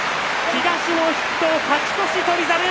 東の筆頭で勝ち越し、翔猿。